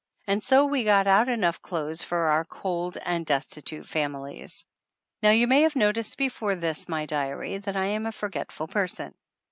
And so we got out enough clothes for our cold and des titute families. Now, you may have noticed before this, my diary, that I am a forgetful person.